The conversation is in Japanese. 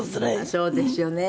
そうですよね。